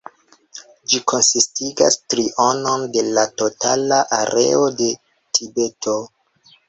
Ĝi konsistigas trionon de la totala areo de Tibeto.